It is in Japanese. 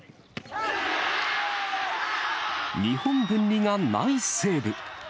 日本文理がナイスセーブ。